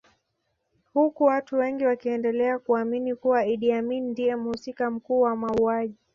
Huku watu wengi wakiendelea kuamini kuwa Idi Amin ndiye mhusika mkuu kwa mauaji